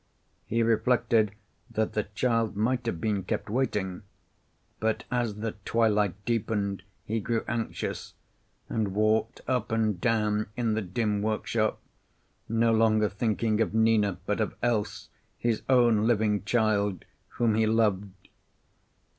He reflected that the child might have been kept waiting, but as the twilight deepened he grew anxious, and walked up and down in the dim workshop, no longer thinking of Nina, but of Else, his own living child, whom he loved.